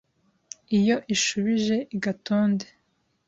Iyo ishubije i Gatonde